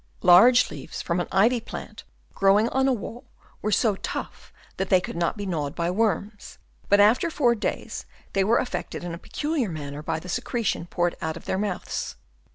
Large leaves from an ivy plant growing 42 HABITS OF WOEMS. Chap. I. on a wall were so tough that they could not be gnawed by worms, but after four days they were affected in a peculiar manner by the secretion poured out of their mouths.